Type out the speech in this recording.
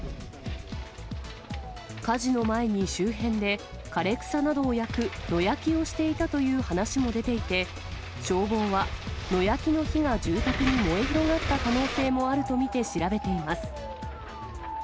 火事の前に周辺で枯れ草などを焼く野焼きをしていたという話も出ていて、消防は野焼きの火が住宅に燃え広がった可能性もあると見て調べています。